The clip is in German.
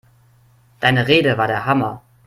Deine Rede war der Hammer!